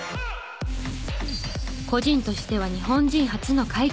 個人としては日本人初の快挙。